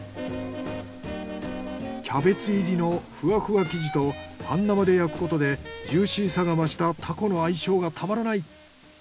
キャベツ入りのフワフワ生地と半生で焼くことでジューシーさが増したタコの相性がたまらない！